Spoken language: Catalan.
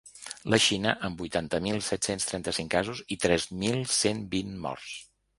La Xina, amb vuitanta mil set-cents trenta-cinc casos i tres mil cent vint morts.